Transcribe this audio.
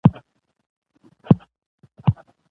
باید حقایق ملت ته ووایي